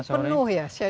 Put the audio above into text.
jadi penuh ya